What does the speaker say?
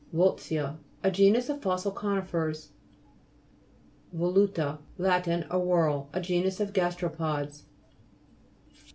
235 VOLT'ZIA A genus of fossil co'nifers. VOIU'TA Lat. A whorl. A genus of gasteropods.